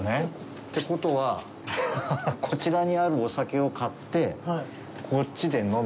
ってことは、こちらにあるお酒を買って、こっちで飲む。